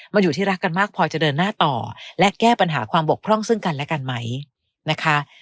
มันอยู่ที่รักกันมากพอจะเดินหน้าต่อและแก้ปัญหาความบกพร่องซึ่งกันและกันไหมนะคะ